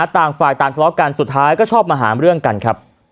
ต่างฝ่ายต่างทะเลาะกันสุดท้ายก็ชอบมาหาเรื่องกันครับ